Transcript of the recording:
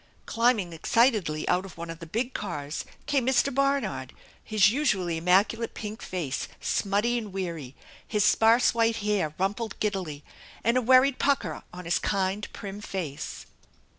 Climbing excitedly out of one of the big cars came Mr. Barnard, his usually immacu late pink face smutty and weary ; his sparse white hair rumpled giddily, and a worried pucker on his kind, prim face.